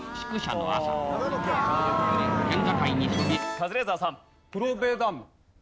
カズレーザーさん。